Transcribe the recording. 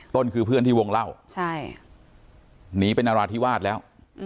ต้นคือเพื่อนที่วงเล่าใช่หนีไปนราธิวาสแล้ว